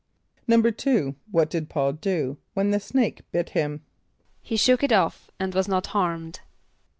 = =2.= What did P[a:]ul do, when the snake bit him? =He shook it off and was not harmed.